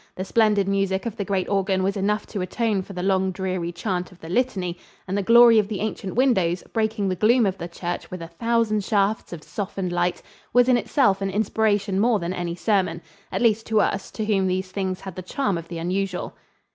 The splendid music of the great organ was enough to atone for the long dreary chant of the litany, and the glory of the ancient windows, breaking the gloom of the church with a thousand shafts of softened light, was in itself an inspiration more than any sermon at least to us, to whom these things had the charm of the unusual.